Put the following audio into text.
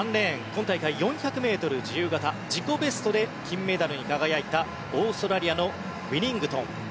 今大会４００ｍ自由形自己ベストで金メダルに輝いたオーストラリアのウィニングトン。